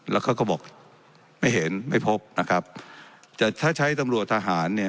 แล้วเขาก็บอกไม่เห็นไม่พบนะครับแต่ถ้าใช้ตำรวจทหารเนี่ย